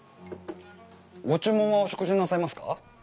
ご注文はお食事になさいますか？